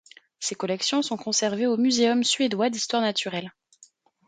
Ses collections sont conservées au Muséum suédois d'histoire naturelle.